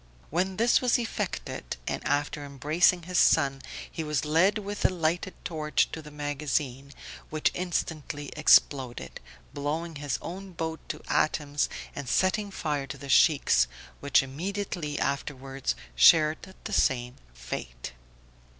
When this was effected, and after embracing his son, he was led with a lighted torch to the magazine, which instantly exploded, blowing his own boat to atoms and setting fire to the Sheikh's, which immediately afterwards shared the same fate.